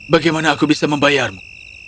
bagaimana aku bisa membayarmu